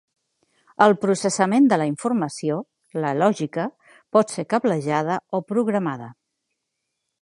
El processament de la informació, la lògica, pot ser cablejada o programada.